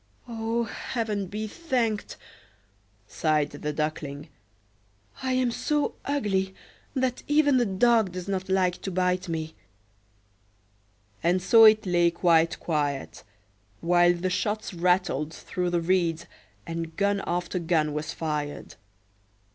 "O, Heaven be thanked!" sighed the Duckling. "I am so ugly, that even the dog does not like to bite me!"And so it lay quite quiet, while the shots rattled through the reeds and gun after gun was fired.